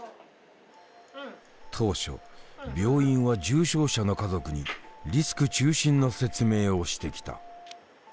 当初病院は重症者の家族にリスク中心の説明をしてきた。